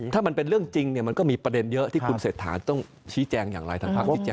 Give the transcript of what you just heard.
ถ้ามันเป็นเรื่องจริงเนี่ยมันก็มีประเด็นเยอะที่คุณเศรษฐาต้องชี้แจงอย่างไรทางภาคชี้แจง